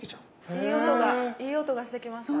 いい音がいい音がしてきました。